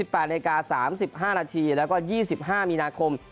๘นาฬิกา๓๕นาทีแล้วก็๒๕มีนาคม